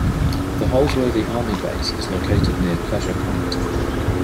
The Holsworthy Army Base is located near Pleasure Point.